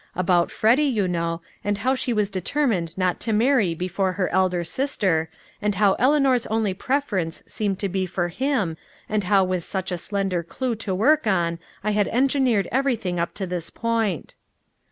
About Freddy, you know, and how she was determined not to marry before her elder sister, and how Eleanor's only preference seemed to be for him, and how with such a slender clue to work on I had engineered everything up to this point.